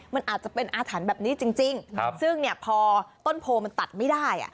มันอาจจะเป็นอาถรรพ์แบบนี้จริงซึ่งเนี่ยพอต้นโพมันตัดไม่ได้